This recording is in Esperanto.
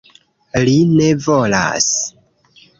Li ne volas...